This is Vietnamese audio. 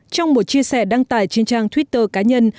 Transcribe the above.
trong một chia sẻ đăng tải trên trang twitter cá nhân